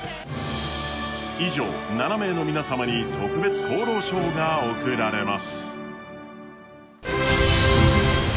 以上、７名の皆様に特別功労賞が贈られます。